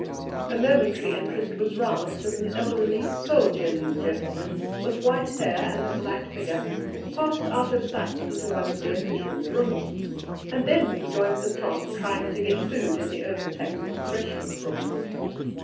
A momentary interest was roused as an elderly, soldierly gentleman, with white hair and a slight figure, passed out of sight into one of the officials' rooms, and then we joined the throng trying to get food in the overtaxed refreshment room.